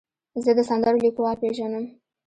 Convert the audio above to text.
زه د سندرو لیکوال پیژنم.